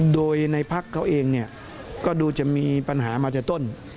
โดยในพักเขาเองก็ดูจะมีปัญหามาแต่ต้น